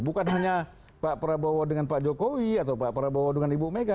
bukan hanya pak prabowo dengan pak jokowi atau pak prabowo dengan ibu mega